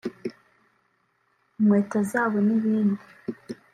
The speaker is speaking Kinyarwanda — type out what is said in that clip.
inkweto zabo n’ibindi